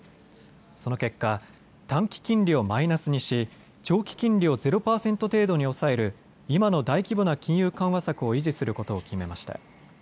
その結果、短期金利をマイナスにし長期金利をゼロ％程度に抑える今の大規模な金融緩和策を維持することを決めました。